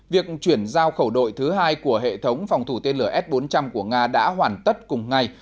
việc chuyển giao khẩu đội thứ hai của hệ thống phòng thủ tên lửa s bốn trăm linh của nga đã hoàn tất cùng ngày